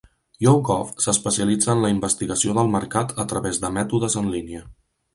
YouGov s'especialitza en la investigació del mercat a través de mètodes en línia.